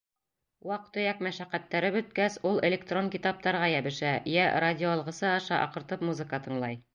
Ваҡ-төйәк мәшәҡәттәре бөткәс ул электрон китаптарға йәбешә, йә радиоалғысы аша аҡыртып музыка тыңлай.